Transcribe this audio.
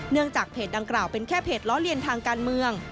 จากเพจดังกล่าวเป็นแค่เพจล้อเลียนทางการเมือง